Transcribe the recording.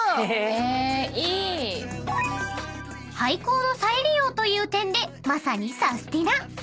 ［廃校の再利用という点でまさにサスティな］